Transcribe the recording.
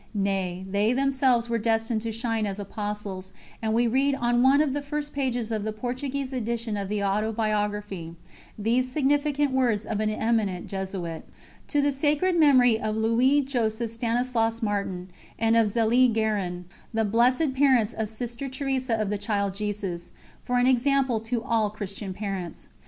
Nay, they themselves were destined to shine as apostles, and we read on one of the first pages of the Portuguese edition of the Autobiography, these significant words of an eminent Jesuit: "To the Sacred Memory of Louis Joseph Stanislaus Martin and of Zélie Guérin, the blessed parents of Sister Teresa of the Child Jesus, for an example to all Christian parents."